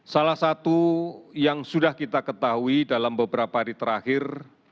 salah satu yang sudah kita ketahui dalam beberapa hari terakhir